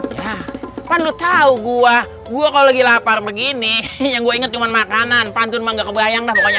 ya kan lo tau gua gua kalo lagi lapar begini yang gua inget cuman makanan pantun mah gak kebayang dah pokoknya